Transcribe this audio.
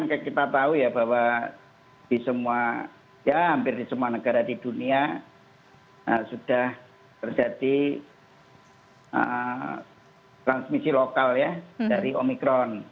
kita tahu ya bahwa di semua ya hampir di semua negara di dunia sudah terjadi transmisi lokal ya dari omikron